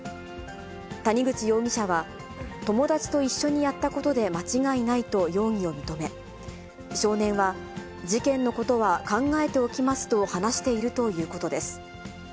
谷口容疑者は、友達と一緒にやったことで間違いないと容疑を認め、少年は事件のことは考えておきますと話しているということです。